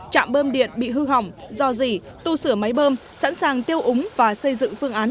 trạm bơm điện bị hư hỏng do dỉ tu sửa máy bơm sẵn sàng tiêu úng và xây dựng phương án